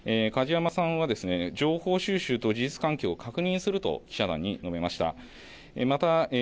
梶山さんはですね情報収集と事実関係を確認すると記者団に述べました。